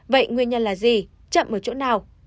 vậy nguyên nhân là gì chậm ở chỗ nào